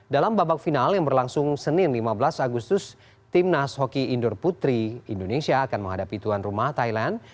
dalam babak final yang berlangsung senin lima belas agustus timnas hoki indoor putri indonesia akan menghadapi tuan rumah thailand